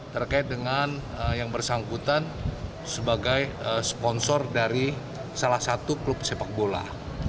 terkait dengan yang bersangkutan sebagai sponsor dari salah satu klub sepak bola